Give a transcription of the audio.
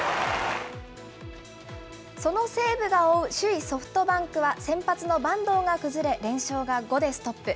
その西武が追う首位ソフトバンクは、先発の坂東が崩れ、連勝が５でストップ。